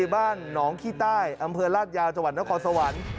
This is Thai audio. บ้านหนองขี้ใต้อำเภอราชยาวจวันและขอสวรรค์